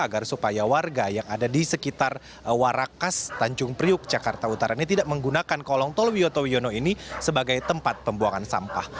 agar supaya warga yang ada di sekitar warakas tanjung priuk jakarta utara ini tidak menggunakan kolong tol wiyoto wiono ini sebagai tempat pembuangan sampah